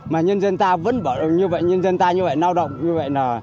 mà nhân dân ta vẫn bảo như vậy nhân dân ta như vậy lao động như vậy là